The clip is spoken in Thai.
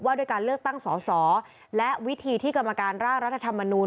ด้วยการเลือกตั้งสอสอและวิธีที่กรรมการร่างรัฐธรรมนูล